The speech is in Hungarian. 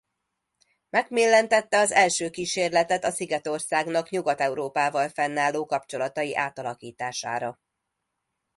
Macmillan tette az első kísérletet a szigetországnak Nyugat-Európával fennálló kapcsolatai átalakítására.